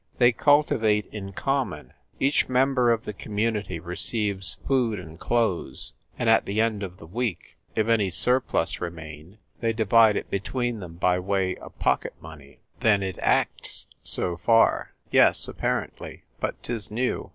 They cultivate in common ; each member of the community receives food and clothes ; and at the end of the week, if any surplus remain, they divide it between them by way of pocket money." " Then it acts, so far." " Yes, apparently. But 'tis new.